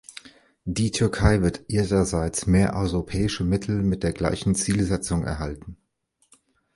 Die Türkei wird ihrerseits mehr europäische Mittel mit der gleichen Zielsetzung erhalten.